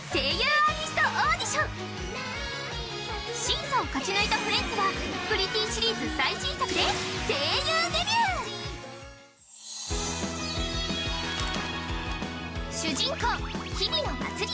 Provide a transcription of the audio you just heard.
審査を勝ち抜いたフレンズはプリティーシリーズ最新作で主人公陽比野まつり。